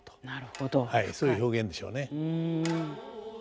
そういう表現でしょうね。